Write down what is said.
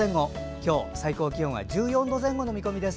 今日、最高気温は１４度前後の見込みです。